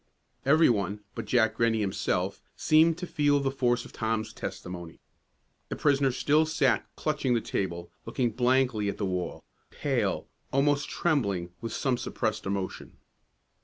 Every one, but Jack Rennie himself, seemed to feel the force of Tom's testimony. The prisoner still sat clutching the table, looking blankly at the wall, pale, almost trembling, with some suppressed emotion.